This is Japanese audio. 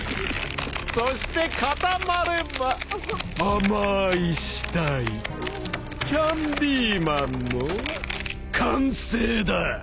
そして固まれば甘い死体キャンディマンの完成だ！